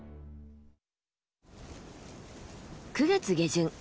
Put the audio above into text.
９月下旬。